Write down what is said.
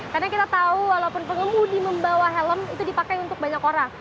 karena kita tahu walaupun pengemudi membawa helm itu dipakai untuk banyak orang